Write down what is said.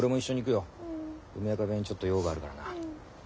梅若部屋にちょっと用があるからな。